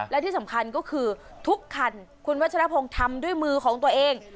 และที่สำคัญก็คือทุกคันคุณวัชรพงศ์ทำด้วยมือของตัวเอง